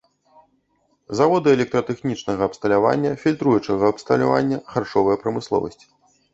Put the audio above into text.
Заводы электратэхнічнага абсталявання, фільтруючага абсталявання, харчовая прамысловасць.